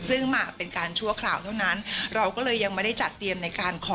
ซึ่งมาเป็นการชั่วคราวเท่านั้นเราก็เลยยังไม่ได้จัดเตรียมในการขอ